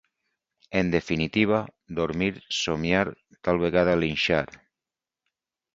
En definitiva, dormir, somiar, tal vegada linxar.